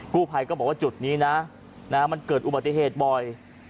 กู้ภัยก็บอกว่าจุดนี้นะมันเกิดอุบัติเหตุบ่อย